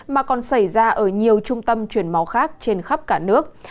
mà còn xảy ra ở nhiều trung tâm chuyển máu khác trên khắp cả nước